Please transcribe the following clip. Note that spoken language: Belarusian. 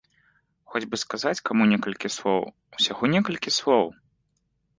Хоць бы сказаць каму некалькі слоў, усяго некалькі слоў!